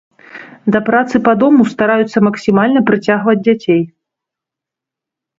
Да працы па дому стараюцца максімальна прыцягваць дзяцей.